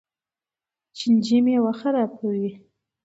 چینجي میوه خرابوي.